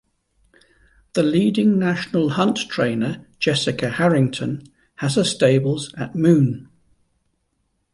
The leading National Hunt trainer Jessica Harrington has her stables at Moone.